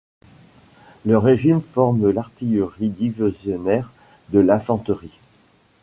Le régiment forme l'artillerie divisionnaire de la d'infanterie.